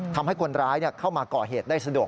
ทำให้คนร้ายเข้ามาก่อเหตุได้สะดวก